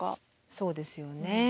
そうですよね。